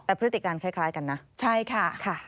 แต่พฤติการคล้ายกันนะใช่ค่ะ